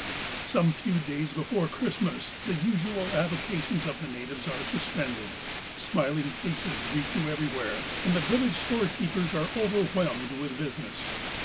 "Some few days before Christmas the usual avocations of the natives are suspended, — smiling faces greet you everywhere, and the village storekeepers are overwhelmed with business.